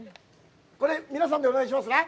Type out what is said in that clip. これ、皆さんでお願いしますね。